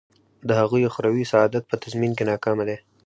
د هغوی اخروي سعادت په تضمین کې ناکامه دی.